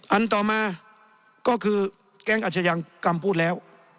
อันต่อมาก็คือแก๊งอาชญากรรมพูดแล้ว